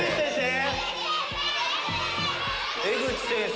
江口先生？